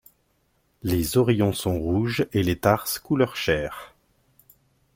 Les oreillons sont rouges et les tarses couleur chair.